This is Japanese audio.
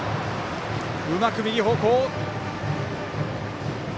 うまく右方向。